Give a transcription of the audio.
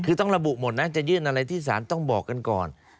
คือต้องระบุหมดนะจะยื่นอะไรที่สารต้องบอกกันก่อน